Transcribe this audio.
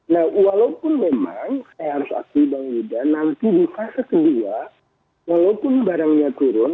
nah walaupun memang saya harus akui bang yudha nanti di fase kedua walaupun barangnya turun